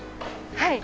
はい。